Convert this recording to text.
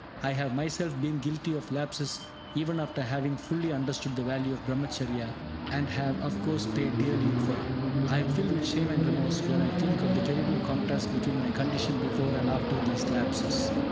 I have myself been guilty of lapses even after having fully understood the value of Brahmacharya, and have, of course, paid dearly for it. I am filled with shame and remorse when I think of the terrible contrast between my condition before and after these lapses.